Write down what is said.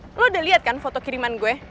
lo udah lihat kan foto kiriman gue